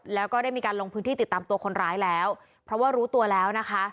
แล้วก็ได้มีการลงพื้นที่ติดตามตัวคนร้ายแล้วเพราะว่ารู้ตัวแล้วนะคะ